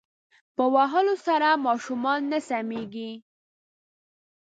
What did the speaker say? په وهلو سره ماشومان نه سمیږی